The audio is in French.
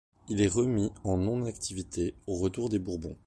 Il est remis en non activité au retour des Bourbons.